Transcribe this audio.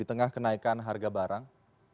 di tengah kenaikan harga barang